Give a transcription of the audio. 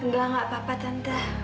gak gak apa apa tante